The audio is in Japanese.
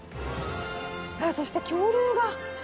そして恐竜が。